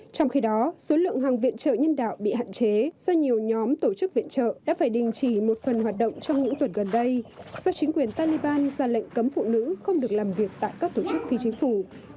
trong khi đó số lượng hàng viện trợ nhân đạo bị hạn chế do nhiều nhóm tổ chức viện trợ đã phải đình chỉ một phần hoạt động trong những tuần gần đây do chính quyền taliban ra lệnh cấm phụ nữ không được làm việc tại các tổ chức phi chính phủ